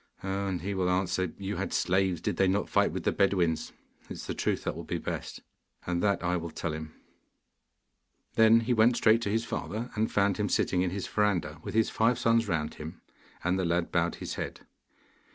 And he will answer, "You had slaves, did they not fight with the Bedouins?" It is the truth that will be best, and that will I tell him.' Then he went straight to his father, and found him sitting in his verandah with his five sons round him; and the lad bowed his head.